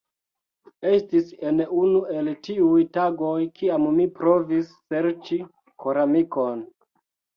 Estis en unu el tiuj tagoj, kiam mi provis serĉi koramikon.